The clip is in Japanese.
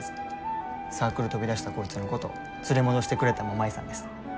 サークル飛び出したこいつのこと連れ戻してくれたんも舞さんです。